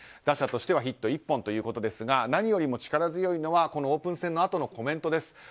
打者としてはヒット１本ということですが何よりも力強いのはオープン戦のあとのコメントです。